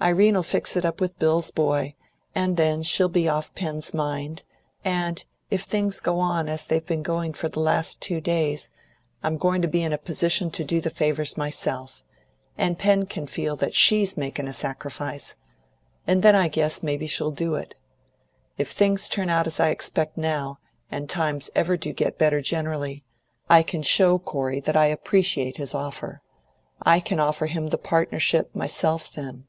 Irene'll fix it up with Bill's boy, and then she'll be off Pen's mind; and if things go on as they've been going for the last two days, I'm going to be in a position to do the favours myself, and Pen can feel that SHE'S makin' a sacrifice, and then I guess may be she'll do it. If things turn out as I expect now, and times ever do get any better generally, I can show Corey that I appreciate his offer. I can offer him the partnership myself then."